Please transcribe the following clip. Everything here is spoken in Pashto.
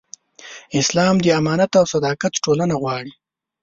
اسلام د امانت او صداقت ټولنه غواړي.